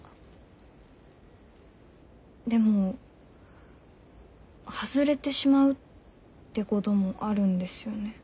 でも外れてしまうってこともあるんですよね。